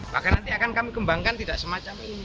maka nanti akan kami kembangkan tidak semacam ini